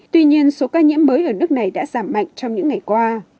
tuy nhiên số ca nhiễm mới ở nước này đã giảm mạnh trong những ngày qua